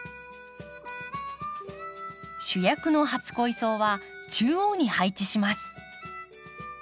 主役の初恋草は中央に配置します。